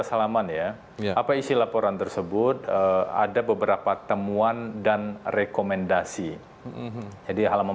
salaman ya apa isi laporan tersebut ada beberapa temuan dan rekomendasi jadi halaman